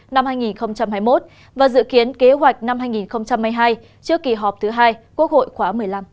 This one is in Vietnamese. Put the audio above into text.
năm hai nghìn hai mươi một và dự kiến kế hoạch năm hai nghìn hai mươi hai trước kỳ họp thứ hai quốc hội khóa một mươi năm